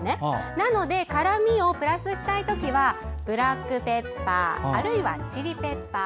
なので辛みをプラスしたいときはブラックペッパーあるいはチリペッパー。